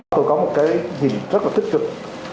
đâu có một cái nhìn rất là tích cực